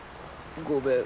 「ごめん。